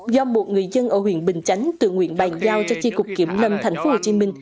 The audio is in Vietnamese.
do một người dân ở huyện bình chánh tự nguyện bàn giao cho chiếc cục kiểm lâm thành phố hồ chí minh